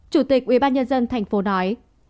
chủ tịch ubnd tp nói